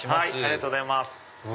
ありがとうございます。